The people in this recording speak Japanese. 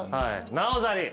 「なおざり」